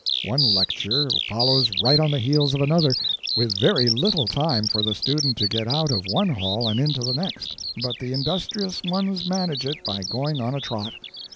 One lecture follows right on the heels of another, with very little time for the student to get out of one hall and into the next; but the industrious ones manage it by going on a trot.